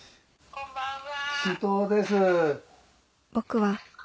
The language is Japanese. こんばんは。